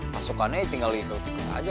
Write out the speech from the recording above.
pasukannya tinggal liayah liayah aja